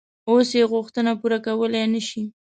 اوس یې غوښتنې پوره کولای نه شي.